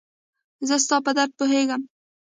زه ستا په درد پوهيږم